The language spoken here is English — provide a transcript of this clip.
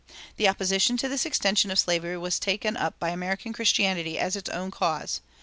The opposition to this extension of slavery was taken up by American Christianity as its own cause.